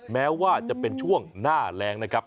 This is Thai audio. แม้ว่าจะเป็นช่วงหน้าแรงนะครับ